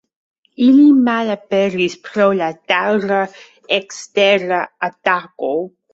Ili malaperis pro la daŭra ekstera atako.